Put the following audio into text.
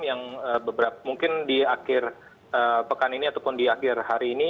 yang mungkin di akhir pekan ini ataupun di akhir hari ini